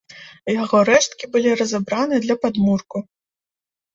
Яго рэшткі былі разабраны да падмурку.